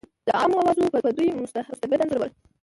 د عوامو اوازو به دوی مستبد انځورول.